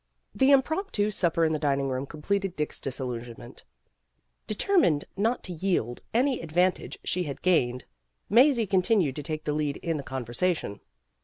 The impromptu supper in the dining room completed Dick's disillusionment. Determined not to yield any advantage she had gained Mazie continued to take the lead in the conver sation.